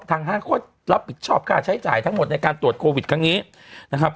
ห้างก็รับผิดชอบค่าใช้จ่ายทั้งหมดในการตรวจโควิดครั้งนี้นะครับ